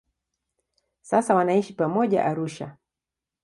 Sasa wanaishi pamoja Arusha.